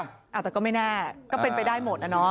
อ้าวแต่ก็ไม่แน่ก็เป็นไปได้หมดนะน้อง